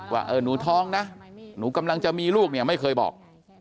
ว่าเออหนูท้องนะหนูกำลังจะมีลูกเนี่ยไม่เคยบอก